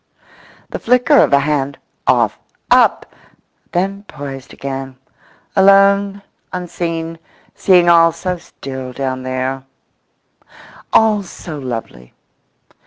The flicker of a hand—off, up! then poised again. Alone, unseen; seeing all so still down there, all so lovely.